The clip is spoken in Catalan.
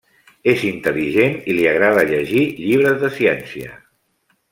És intel·ligent i li agrada llegir llibres de ciència.